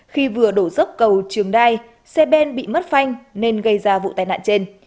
khi vừa đổ dốc cầu trường đai xe bên bị mất phanh nên gây ra vụ tai nạn trên